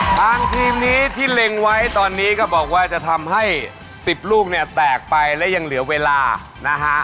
ทางทีมนี้ที่เล็งไว้ตอนนี้ก็บอกว่าจะทำให้๑๐ลูกเนี่ยแตกไปและยังเหลือเวลานะฮะ